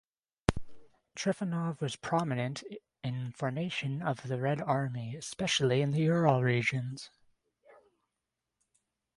Trifonov was prominent in formation of the Red Army, especially in the Ural regions.